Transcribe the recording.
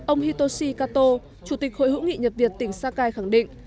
ông hitoshi kato chủ tịch hội hữu nghị nhật việt tỉnh sakai khẳng định